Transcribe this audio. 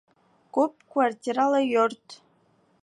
Күп квартиралы йорт